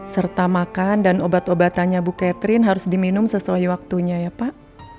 serta makan dan obat obatannya bu catherine harus diminum sesuai waktunya ya pak